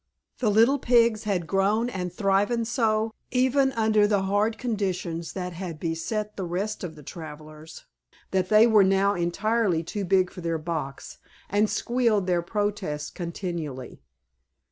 The little pigs had grown and thriven so, even under the hard conditions that had beset the rest of the travelers, that they were now entirely too big for their box, and squealed their protest continually.